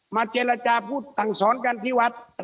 มาเจรจาพุทธต่างสอนกันที่วัด